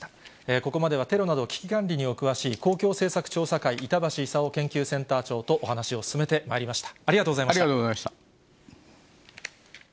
ここまではテロなど危機管理にお詳しい、公共政策調査会、板橋功研究センター長とお話を進めてまいりました。